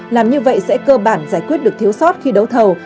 làm như vậy sẽ cơ bản giải quyết được thiếu sót khi đấu thầu